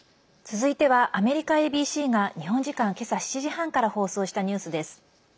続いてはアメリカＡＢＣが日本時間今朝７時半から放送したニュースです。